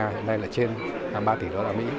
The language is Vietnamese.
hiện nay là trên hai ba tỷ usd